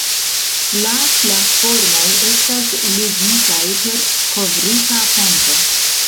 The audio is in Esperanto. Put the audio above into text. La platformoj estas ligitaj per kovrita ponto.